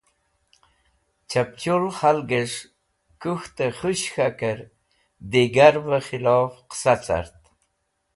Chapchul khalgẽs̃h kũk̃htẽ khush k̃hakẽr digarvẽ khilof qẽsa cart.